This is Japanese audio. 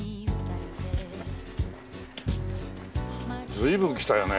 随分来たよね。